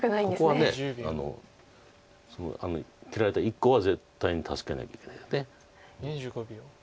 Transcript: ここは切られた１個は絶対に助けないといけないよね。